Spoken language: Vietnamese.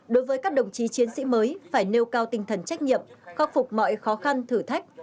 đối với các đồng chí chiến sĩ mới phải nêu cao tinh thần trách nhiệm khắc phục mọi khó khăn thử thách